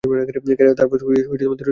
তারপর দূরে সরে যেতেন।